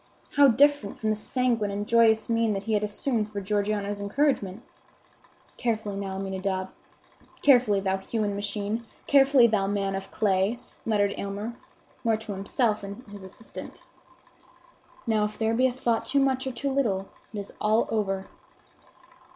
How different from the sanguine and joyous mien that he had assumed for Georgiana's encouragement! "Carefully now, Aminadab; carefully, thou human machine; carefully, thou man of clay!" muttered Aylmer, more to himself than his assistant. "Now, if there be a thought too much or too little, it is all over."